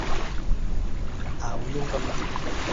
ntawe unyumva mbwira